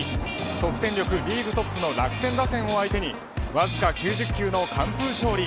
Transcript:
得点力リーグトップの楽天打線を相手にわずか９０球の完封勝利。